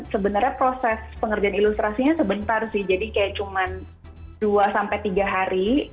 sebenarnya proses pengerjaan ilustrasinya sebentar sih jadi kayak cuma dua sampai tiga hari